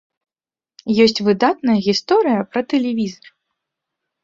Ёсць выдатная гісторыя пра тэлевізар.